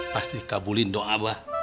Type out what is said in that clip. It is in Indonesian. pasti kabulin dong abah